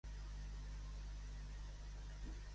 Quins són els temes en el que es va basar pedagògicament?